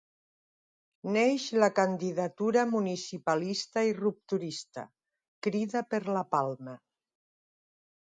Neix la candidatura municipalista i rupturista, Crida per la Palma.